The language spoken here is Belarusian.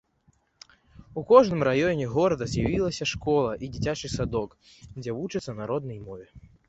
У кожным раёне горада з'явілася школа і дзіцячы садок, дзе вучацца на роднай мове.